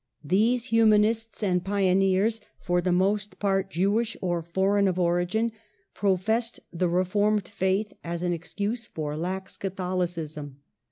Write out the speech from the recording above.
These humanists and pioneers, for the most part Jewish or foreign of origin, professed the Reformed faith as an ex cuse for lax Cathohcism.